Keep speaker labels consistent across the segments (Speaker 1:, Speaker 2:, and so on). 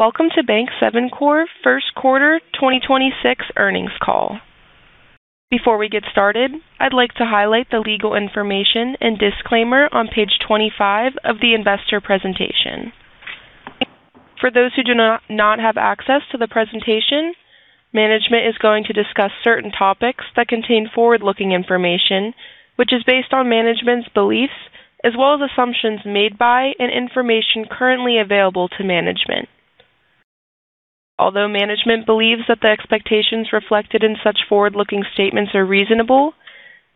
Speaker 1: Welcome to Bank7 Corp. first quarter 2026 earnings call. Before we get started, I'd like to highlight the legal information and disclaimer on page 25 of the investor presentation. For those who do not have access to the presentation, management is going to discuss certain topics that contain forward-looking information, which is based on management's beliefs as well as assumptions made by and information currently available to management. Although management believes that the expectations reflected in such forward-looking statements are reasonable,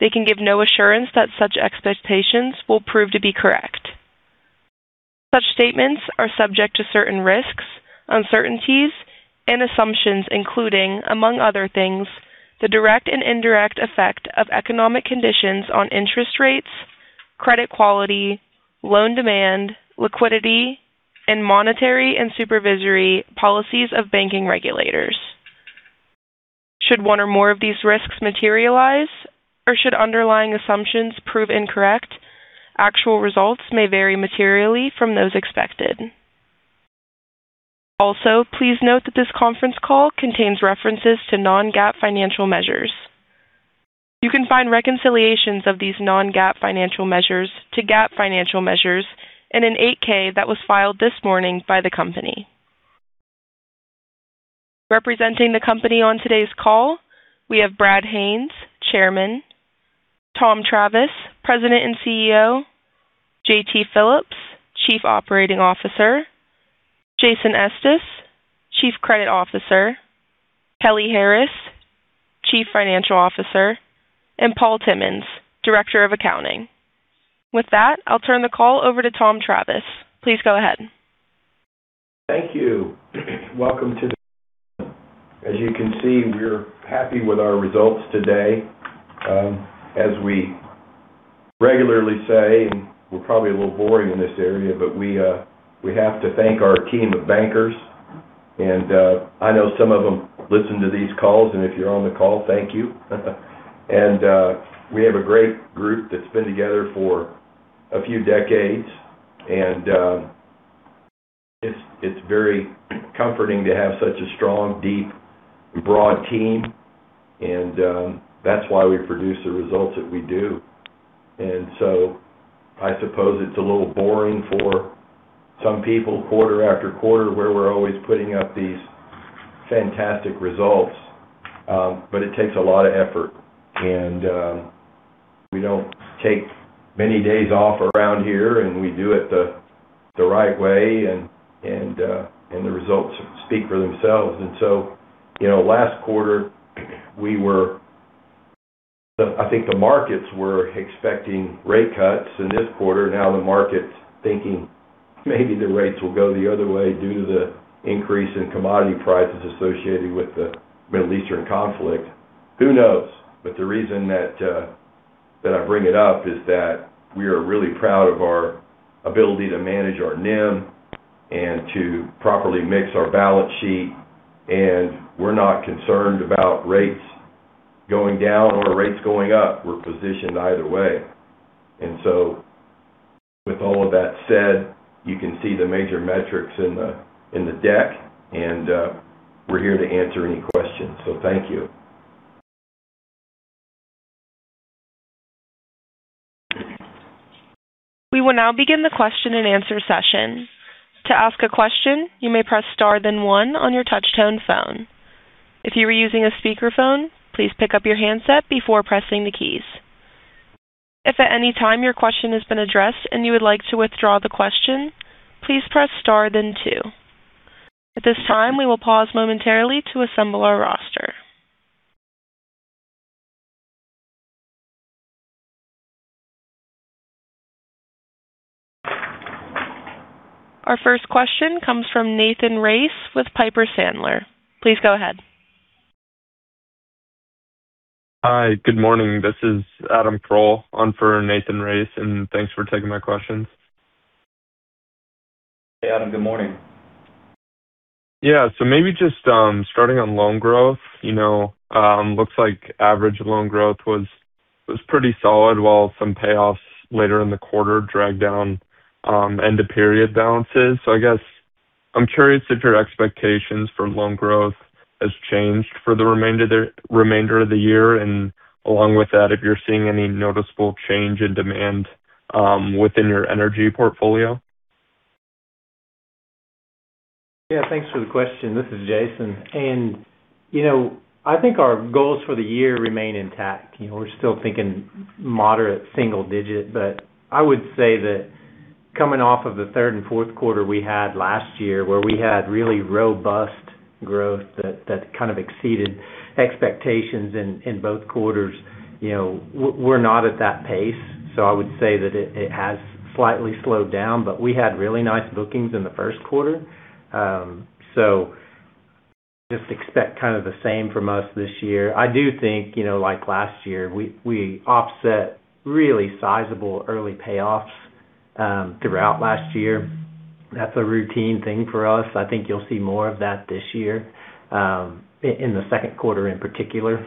Speaker 1: they can give no assurance that such expectations will prove to be correct. Such statements are subject to certain risks, uncertainties, and assumptions, including, among other things, the direct and indirect effect of economic conditions on interest rates, credit quality, loan demand, liquidity, and monetary and supervisory policies of banking regulators. Should one or more of these risks materialize, or should underlying assumptions prove incorrect, actual results may vary materially from those expected. Also, please note that this conference call contains references to non-GAAP financial measures. You can find reconciliations of these non-GAAP financial measures to GAAP financial measures in an 8-K that was filed this morning by the company. Representing the company on today's call, we have Brad Haines, Chairman, Thomas L. Travis, President and CEO, John T. Phillips, Chief Operating Officer, Jason Estes, Chief Credit Officer, Kelly Harris, Chief Financial Officer, and Paul Timmons, Director of Accounting. With that, I'll turn the call over to Thomas L. Travis. Please go ahead.
Speaker 2: Thank you. Welcome to... As you can see, we're happy with our results today. As we regularly say, and we're probably a little boring in this area, but we have to thank our team of bankers. I know some of them listen to these calls, and if you're on the call, thank you. We have a great group that's been together for a few decades, and it's very comforting to have such a strong, deep, broad team. That's why we produce the results that we do. I suppose it's a little boring for some people, quarter after quarter, where we're always putting up these fantastic results. It takes a lot of effort, and we don't take many days off around here, and we do it the right way and the results speak for themselves. Last quarter, I think the markets were expecting rate cuts in this quarter. Now the market's thinking maybe the rates will go the other way due to the increase in commodity prices associated with the Middle Eastern conflict. Who knows? The reason that I bring it up is that we are really proud of our ability to manage our NIM and to properly mix our balance sheet. We're not concerned about rates going down or rates going up. We're positioned either way. With all of that said, you can see the major metrics in the deck, and we're here to answer any questions. Thank you.
Speaker 1: We will now begin the question and answer session. To ask a question, you may press star then one on your touch-tone phone. If you are using a speakerphone, please pick up your handset before pressing the keys. If at any time your question has been addressed and you would like to withdraw the question, please press star then two. At this time, we will pause momentarily to assemble our roster. Our first question comes from Nathan Race with Piper Sandler. Please go ahead.
Speaker 3: Hi, good morning. This is Adam Kroll on for Nathan Race, and thanks for taking my questions.
Speaker 2: Hey, Adam. Good morning.
Speaker 3: Yeah. Maybe just starting on loan growth, looks like average loan growth was pretty solid while some payoffs later in the quarter dragged down end-of-period balances. I guess I'm curious if your expectations for loan growth has changed for the remainder of the year, and along with that, if you're seeing any noticeable change in demand within your energy portfolio.
Speaker 4: Yeah, thanks for the question. This is Jason. I think our goals for the year remain intact. We're still thinking moderate single digit, but I would say that coming off of the third and fourth quarter we had last year, where we had really robust growth that kind of exceeded expectations in both quarters. We're not at that pace, so I would say that it has slightly slowed down, but we had really nice bookings in the first quarter. Just expect kind of the same from us this year. I do think, like last year, we offset really sizable early payoffs throughout last year. That's a routine thing for us. I think you'll see more of that this year, in the second quarter in particular.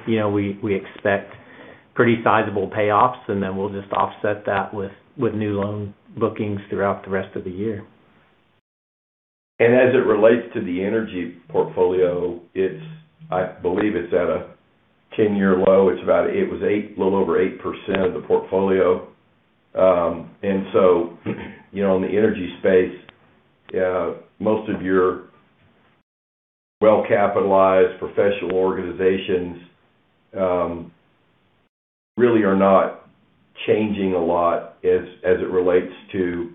Speaker 4: Pretty sizable payoffs, and then we'll just offset that with new loan bookings throughout the rest of the year.
Speaker 2: As it relates to the energy portfolio, I believe it's at a 10-year low. It was a little over 8% of the portfolio. In the energy space, most of your well-capitalized professional organizations really are not changing a lot as it relates to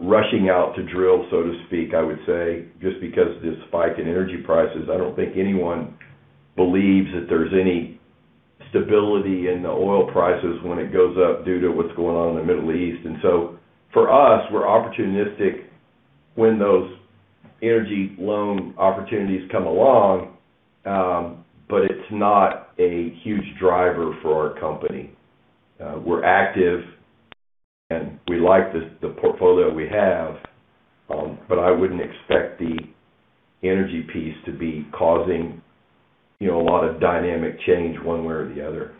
Speaker 2: rushing out to drill, so to speak, I would say, just because of the spike in energy prices. I don't think anyone believes that there's any stability in the oil prices when it goes up due to what's going on in the Middle East. For us, we're opportunistic when those energy loan opportunities come along. It's not a huge driver for our company. We're active and we like the portfolio we have. I wouldn't expect the energy piece to be causing a lot of dynamic change one way or the other.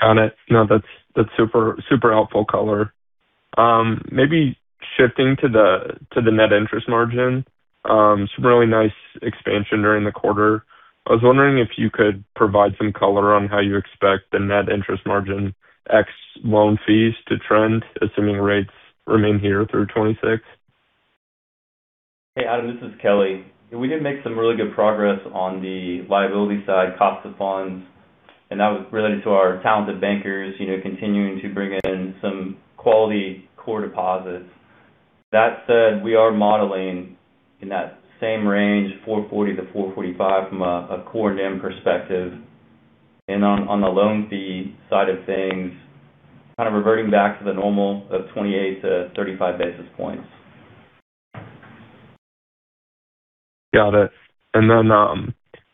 Speaker 3: Got it. No, that's super helpful color. Maybe shifting to the net interest margin, some really nice expansion during the quarter, I was wondering if you could provide some color on how you expect the Net Interest Margin ex loan fees to trend, assuming rates remain here through 2026.
Speaker 5: Hey, Adam, this is Kelly. We did make some really good progress on the liability side cost of funds, and that was related to our talented bankers continuing to bring in some quality core deposits. That said, we are modeling in that same range, 440-445, from a core NIM perspective. On the loan fee side of things, kind of reverting back to the normal of 28 basis points-35 basis points.
Speaker 3: Got it.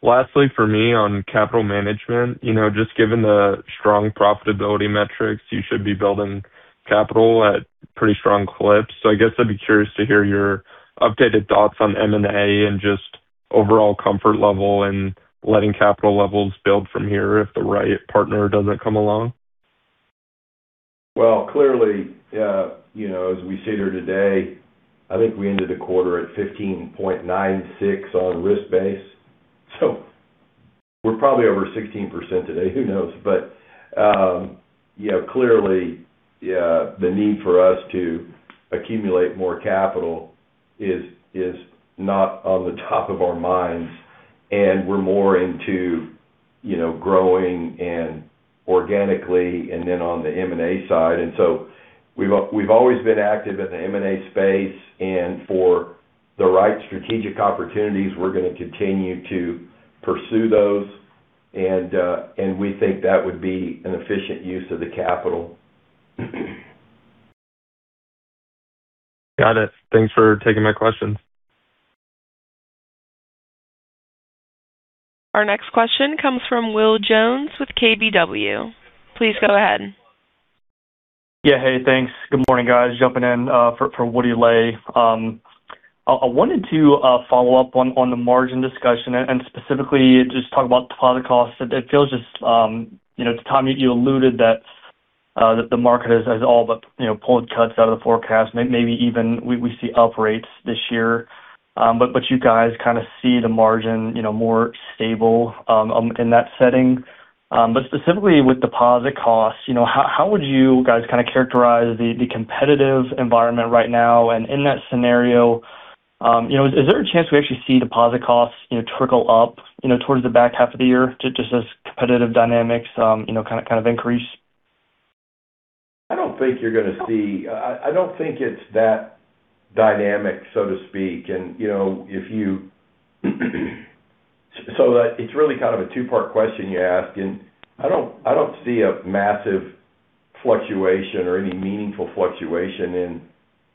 Speaker 3: Lastly for me on capital management, just given the strong profitability metrics, you should be building capital at pretty strong clips. I guess I'd be curious to hear your updated thoughts on M&A and just overall comfort level and letting capital levels build from here if the right partner doesn't come along.
Speaker 2: Well, clearly, as we sit here today, I think we ended the quarter at 15.96% on risk-based. We're probably over 16% today, who knows? Clearly, the need for us to accumulate more capital is not on the top of our minds, and we're more into growing organically and then on the M&A side. We've always been active in the M&A space, and for the right strategic opportunities, we're going to continue to pursue those. We think that would be an efficient use of the capital.
Speaker 3: Got it. Thanks for taking my questions.
Speaker 1: Our next question comes from Will Jones with KBW. Please go ahead.
Speaker 6: Yeah, hey, thanks. Good morning, guys, jumping in for Woody Lay. I wanted to follow up on the margin discussion and specifically just talk about deposit costs. Tom, you alluded that the market has all but pulled cuts out of the forecast. Maybe even we see up rates this year. You guys kind of see the margin more stable in that setting. Specifically with deposit costs, how would you guys kind of characterize the competitive environment right now? In that scenario, is there a chance we actually see deposit costs trickle up towards the back half of the year, just as competitive dynamics increase?
Speaker 2: I don't think it's that dynamic, so to speak. It's really kind of a two-part question you ask, and I don't see a massive fluctuation or any meaningful fluctuation in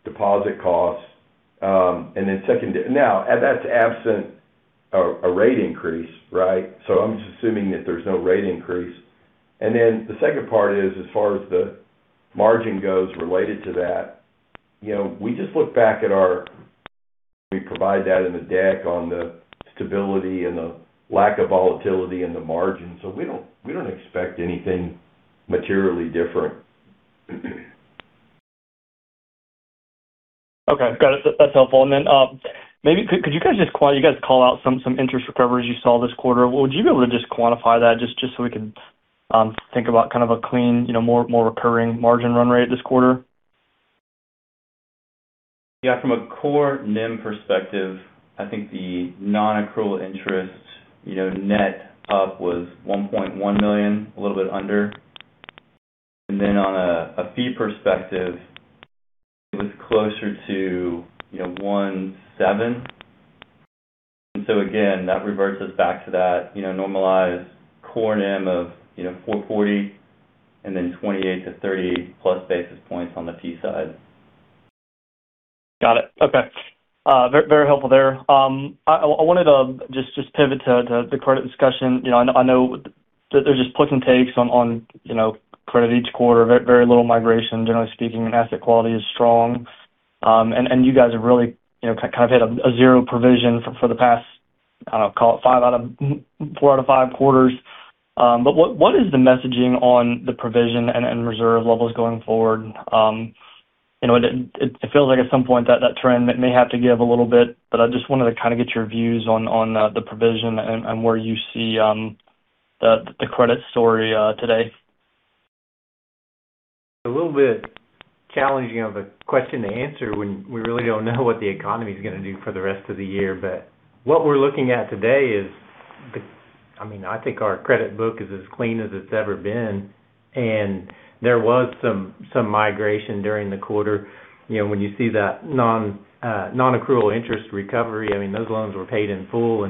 Speaker 2: deposit costs. Now, that's absent a rate increase, right? I'm just assuming that there's no rate increase. The second part is as far as the margin goes related to that, we provide that in the deck on the stability and the lack of volatility in the margin. We don't expect anything materially different.
Speaker 6: Okay. Got it. That's helpful. You guys call out some interest recoveries you saw this quarter. Would you be able to just quantify that just so we can think about kind of a clean, more recurring margin run rate this quarter?
Speaker 5: Yeah. From a core NIM perspective, I think the non-accrual interest net up was $1.1 million, a little bit under. On a fee perspective, it was closer to $1.7 million. Again, that reverts us back to that normalized core NIM of 440 and then 28 basis points-30-plus basis points on the fee side.
Speaker 6: Got it. Okay. Very helpful there. I wanted to just pivot to the credit discussion. I know that there's just puts and takes on credit each quarter. Very little migration, generally speaking, and asset quality is strong. You guys have really kind of hit a zero provision for the past, call it four out of five quarters. What is the messaging on the provision and reserve levels going forward? It feels like at some point that trend may have to give a little bit, but I just wanted to get your views on the provision and where you see the credit story today.
Speaker 4: A little bit challenging of a question to answer when we really don't know what the economy's going to do for the rest of the year. What we're looking at today is, I think our credit book is as clean as it's ever been. There was some migration during the quarter. When you see that non-accrual interest recovery, those loans were paid in full.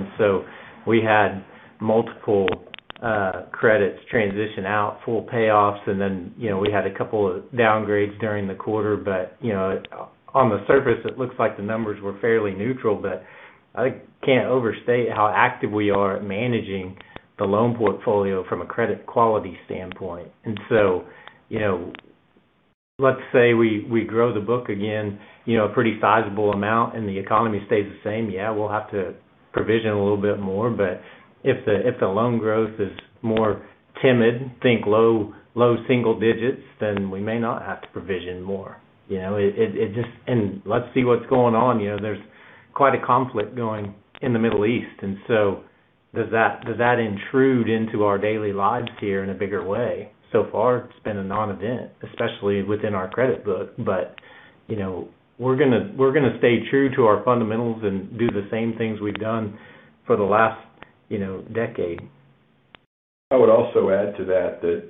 Speaker 4: We had multiple credits transition out, full payoffs, and then we had a couple of downgrades during the quarter. On the surface, it looks like the numbers were fairly neutral, but I can't overstate how active we are at managing the loan portfolio from a credit quality standpoint. Let's say we grow the book again a pretty sizable amount and the economy stays the same, yeah, we'll have to provision a little bit more. If the loan growth is more timid, think low single digits, then we may not have to provision more. Let's see what's going on. There's quite a conflict going on in the Middle East. Does that intrude into our daily lives here in a bigger way? So far it's been a non-event, especially within our credit book. We're going to stay true to our fundamentals and do the same things we've done for the last decade.
Speaker 2: I would also add to that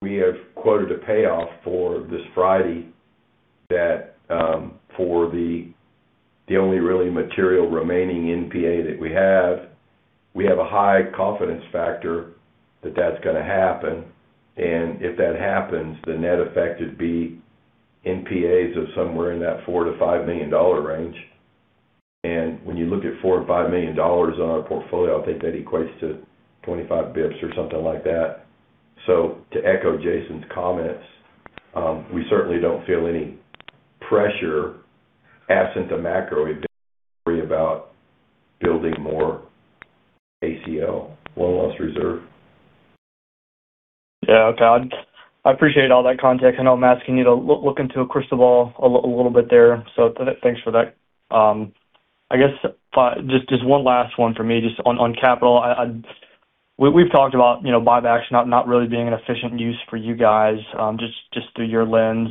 Speaker 2: we have quoted a payoff for this Friday that for the only really material remaining NPA that we have, we have a high confidence factor that that's going to happen. If that happens, the net effect would be NPAs of somewhere in that $4 million-$5 million range. When you look at $4 million or $5 million on our portfolio, I think that equates to 25 basis points or something like that. To echo Jason's comments, we certainly don't feel any pressure absent a macro event to worry about building more ACL loan loss reserve.
Speaker 6: Yeah. Okay. I appreciate all that context. I know I'm asking you to look into a crystal ball a little bit there, so thanks for that. I guess just one last one for me. Just on capital, we've talked about buybacks not really being an efficient use for you guys, just through your lens.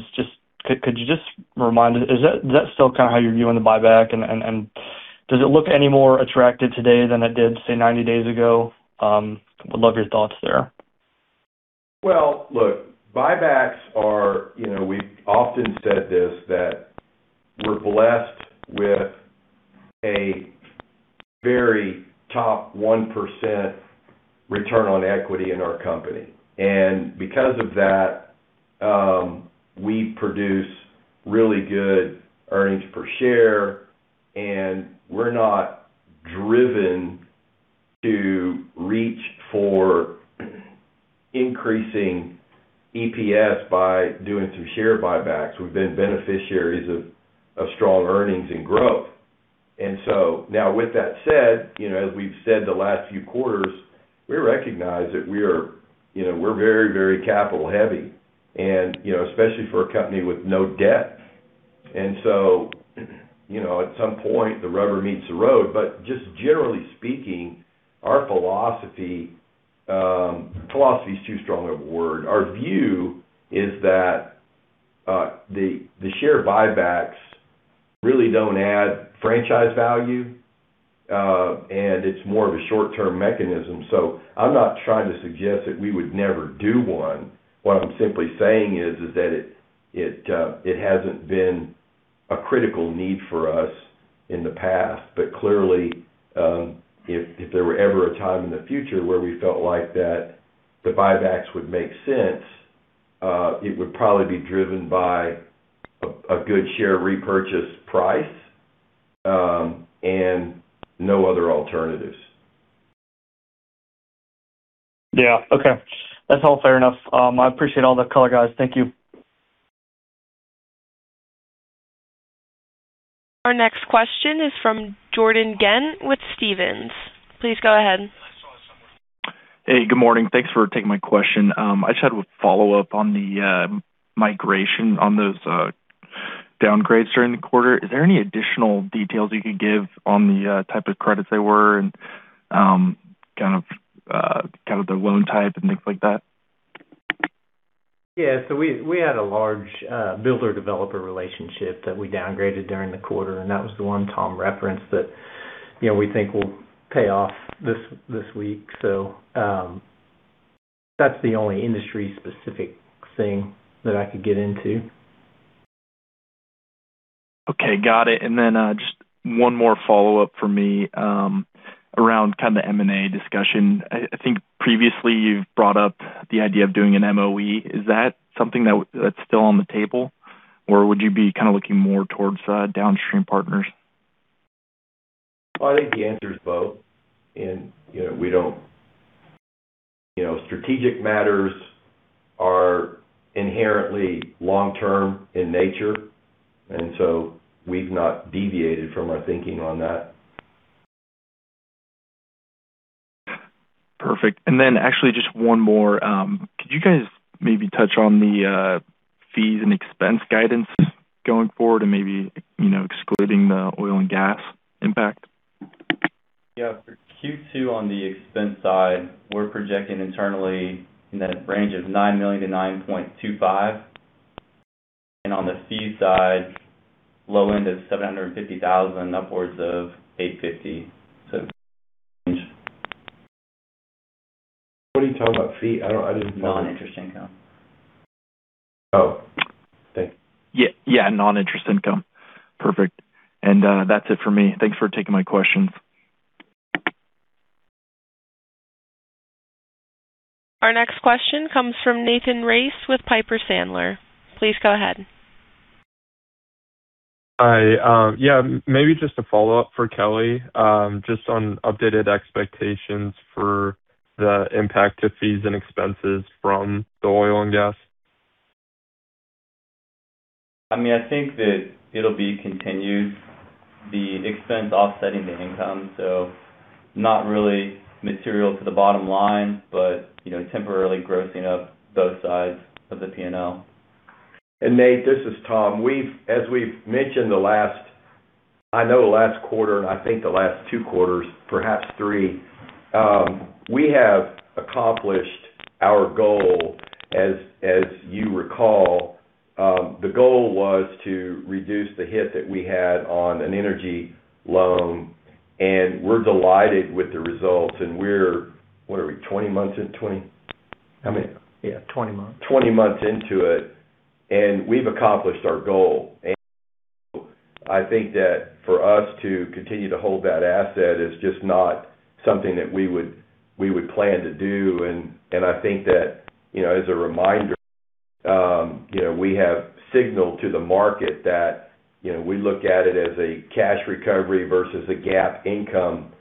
Speaker 6: Could you just remind, is that still kind of how you're viewing the buyback? Does it look any more attractive today than it did, say, 90 days ago? Would love your thoughts there.
Speaker 2: Well, look, we've often said this, that we're blessed with a very top 1% return on equity in our company. Because of that, we produce really good earnings per share, and we're not driven to reach for increasing EPS through share buybacks. We've been beneficiaries of strong earnings and growth. Now with that said, as we've said the last few quarters, we recognize that we're very capital-heavy, and especially for a company with no debt. At some point, the rubber meets the road. Just generally speaking, our philosophy, philosophy is too strong of a word. Our view is that the share buybacks really don't add franchise value, and it's more of a short-term mechanism. I'm not trying to suggest that we would never do one. What I'm simply saying is that it hasn't been a critical need for us in the past. Clearly, if there were ever a time in the future where we felt like that the buybacks would make sense, it would probably be driven by a good share repurchase price, and no other alternatives.
Speaker 6: Yeah. Okay. That's all fair enough. I appreciate all the color, guys. Thank you.
Speaker 1: Our next question is from Jordan Ghent with Stephens. Please go ahead.
Speaker 7: Hey, good morning. Thanks for taking my question. I just had a follow-up on the migration on those downgrades during the quarter. Is there any additional details you could give on the type of credits they were and kind of the loan type and things like that?
Speaker 4: Yeah. We had a large builder-developer relationship that we downgraded during the quarter, and that was the one Tom referenced that we think will pay off this week. That's the only industry-specific thing that I could get into.
Speaker 7: Okay. Got it. Just one more follow-up for me around kind of the M&A discussion. I think previously you've brought up the idea of doing an MOE. Is that something that's still on the table, or would you be kind of looking more towards downstream partners?
Speaker 2: I think the answer is both. Strategic matters are inherently long-term in nature, and so we've not deviated from our thinking on that.
Speaker 7: Perfect. Actually just one more, could you guys maybe touch on the fees and expense guidance going forward and maybe excluding the oil and gas impact?
Speaker 5: Yeah. For Q2, on the expense side, we're projecting internally in the range of $9 million-$9.25 million. On the fee side, low end is $750,000, upwards of $850,000, range.
Speaker 2: What are you talking about? See, I didn't follow.
Speaker 5: Non-interest income.
Speaker 2: Oh, okay.
Speaker 7: Yeah, non-interest income. Perfect. That's it for me. Thanks for taking my questions.
Speaker 1: Our next question comes from Nathan Race with Piper Sandler. Please go ahead.
Speaker 3: Hi. Yeah, maybe just a follow-up for Kelly, just on updated expectations for the impact to fees and expenses from the oil and gas.
Speaker 5: I think that it'll be continued, the expense offsetting the income, not really material to the bottom line, but temporarily grossing up both sides of the P&L.
Speaker 2: Nate, this is Tom. As we've mentioned, I know the last quarter, and I think the last two quarters, perhaps three, we have accomplished our goal. As you recall, the goal was to reduce the hit that we had on an energy loan, and we're delighted with the results. We're, what are we, 20 months in? 20? How many?
Speaker 5: Yeah, 20 months.
Speaker 2: 20 months into it. We've accomplished our goal. I think that for us to continue to hold that asset is just not something that we would plan to do. I think that, as a reminder, we have signaled to the market that we look at it as a cash recovery versus a GAAP income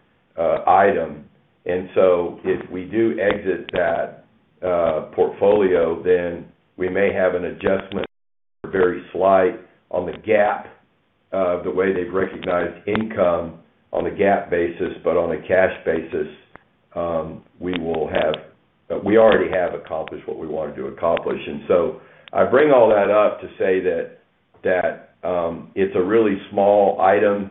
Speaker 2: item. If we do exit that portfolio, then we may have an adjustment or very slight on the GAAP, the way they've recognized income on a GAAP basis. On a cash basis, we already have accomplished what we wanted to accomplish. I bring all that up to say that it's a really small item.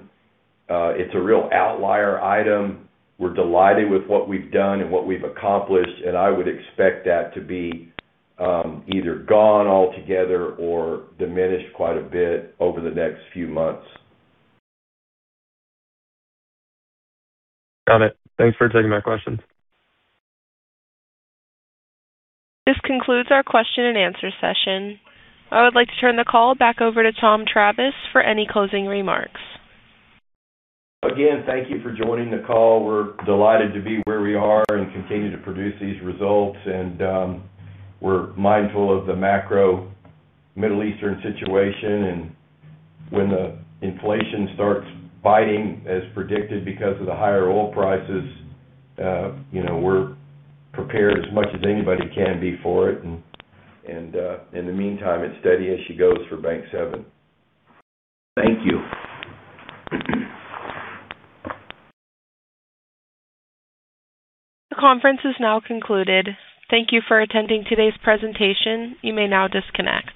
Speaker 2: It's a real outlier item. We're delighted with what we've done and what we've accomplished, and I would expect that to be either gone altogether or diminished quite a bit over the next few months.
Speaker 3: Got it. Thanks for taking my questions.
Speaker 1: This concludes our question and answer session. I would like to turn the call back over to Thomas L. Travis for any closing remarks.
Speaker 2: Again, thank you for joining the call. We're delighted to be where we are and continue to produce these results. We're mindful of the macro Middle Eastern situation. When the inflation starts biting as predicted because of the higher oil prices, we're prepared as much as anybody can be for it. In the meantime, it's steady as she goes for Bank7. Thank you.
Speaker 1: The conference is now concluded. Thank you for attending today's presentation. You may now disconnect.